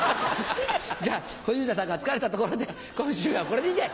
じゃあ小遊三さんが疲れたところで今週はこれにて！